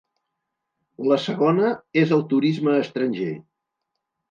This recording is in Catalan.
La segona és el turisme estranger.